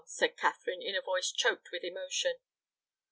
said Catherine, in a voice choked with emotion.